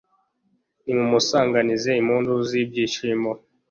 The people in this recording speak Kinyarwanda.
nimumusanganize impundu z'ibyishimo